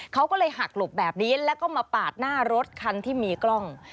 เขาก็เลยหักหลบแบบนี้แล้วก็มาปาดหน้ารถคันที่มีกล้อง